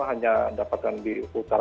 hanya dapatkan di utara